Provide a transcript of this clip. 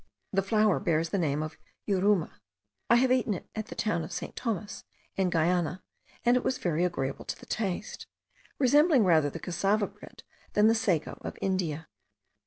The flour bears the name of yuruma: I have eaten it at the town of St. Thomas, in Guiana, and it was very agreeable to the taste, resembling rather the cassava bread than the sago of India.